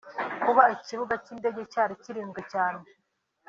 Kuba ikibuga cy’indege cyari kirinzwe cyane